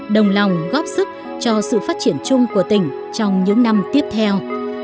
đồng lòng góp sức cho sự phát triển chung của tỉnh trong những năm tiếp theo